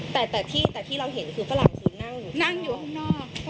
แต่ที่เราเห็นคือฝรั่งคือนั่งอยู่ข้างนอก